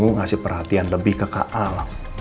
ngasih perhatian lebih ke kak al